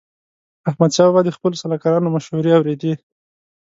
احمدشاه بابا د خپلو سلاکارانو مشوري اوريدي.